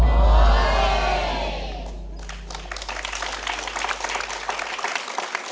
ที่นี้ครับ